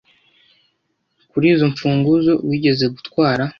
Kuri izo mfunguzo wigeze gutwara